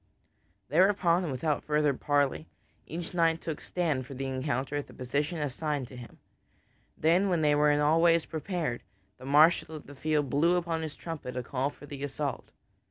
Thereupon and without further parley, each knight took stand for the encounter at the position assigned to him. Then when they were in all ways prepared, the marshal of the field blew upon his trumpet a call for the assault.